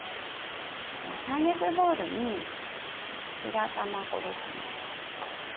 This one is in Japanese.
耐熱ボウルに白玉粉ですね。